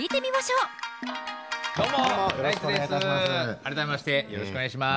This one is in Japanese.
改めましてよろしくお願いします。